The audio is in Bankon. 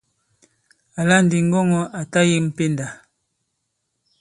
Àla ndi ŋgɔŋɔ̄ à ta yem pendà.